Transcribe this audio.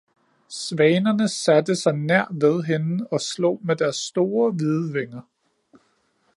svanerne satte sig nær ved hende og slog med deres store, hvide vinger.